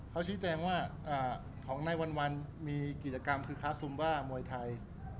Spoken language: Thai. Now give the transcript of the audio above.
เขาชี้แจงว่าของนายวันมีกิจกรรมคือค้าซุมบ้ามวยไทย